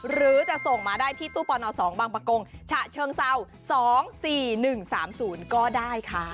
หรือจะส่งมาได้ที่ตู้ปอนด์อ๋อสองบางประกงฉะเชิงเศร้าสองสี่หนึ่งสามศูนย์ก็ได้ค่ะ